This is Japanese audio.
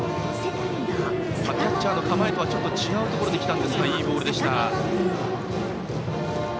キャッチャーの構えとはちょっと違うところへ来ましたがいいボールでした。